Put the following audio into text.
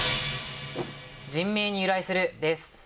「人名に由来する」です。